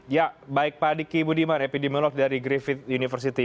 ya baik pak diki budiman epidemiolog dari griffith university